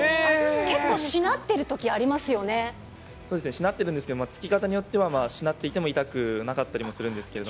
結構しなってるときありますしなってるんですけど、突き方によっては、しなっていても痛くなかったりもするんですけど。